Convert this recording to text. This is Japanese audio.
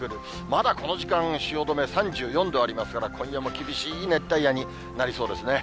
まだこの時間、汐留３４度ありますから、今夜も厳しい熱帯夜になりそうですね。